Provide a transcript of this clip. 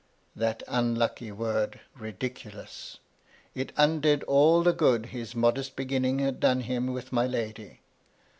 That unlucky word " ridiculous I" It undid all the good his modest beginning had done him with my lady.